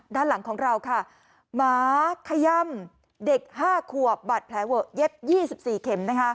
ด้านหลังของเราค่ะหมาขย่ำเด็ก๕ขวบบาดแผลเวอะเย็บ๒๔เข็ม